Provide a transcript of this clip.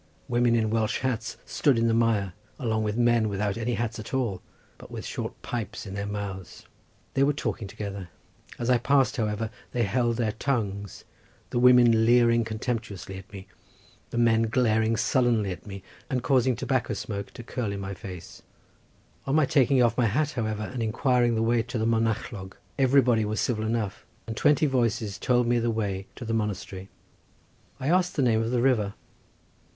Women in Welsh hats stood in the mire, along with men without any hats at all, but with short pipes in their mouths; they were talking together; as I passed, however, they held their tongues, the women leering contemptuously at me, the men glaring sullenly at me, and causing tobacco smoke to curl in my face; on my taking off my hat, however, and enquiring the way to the Monachlog, everybody was civil enough, and twenty voices told me the way to the Monastery. I asked the name of the river.